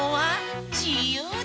じゆうだ！